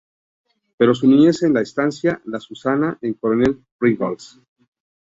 Pasó su niñez en la estancia "La Susana", en Coronel Pringles.